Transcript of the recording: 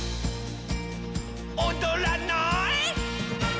「おどらない？」